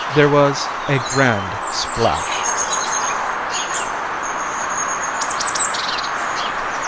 There was a grand splash!